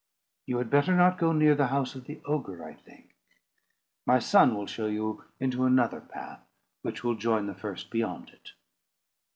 "You had better not go near the house of the ogre, I think. My son will show you into another path, which will join the first beyond it."